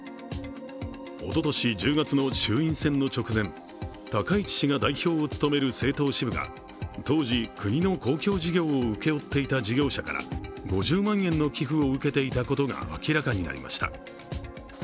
おととし１０月の衆院選の直前高市氏が代表を務める政党支部が当時、国の公共事業を請け負っていた事業者から５０万円の寄付を受けていたことが明らかになりました。